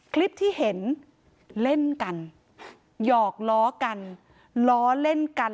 คลิปที่เห็นเล่นกันหยอกล้อกันล้อเล่นกัน